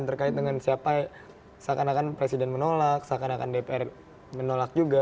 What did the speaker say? terkait dengan siapa seakan akan presiden menolak seakan akan dpr menolak juga